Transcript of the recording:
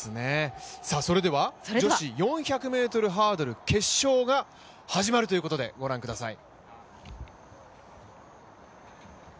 それでは女子４００ｍハードル、決勝が始まるということでご覧ください。